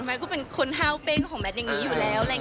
ก็เป็นคนห้าวเป้งของแมทอย่างนี้อยู่แล้ว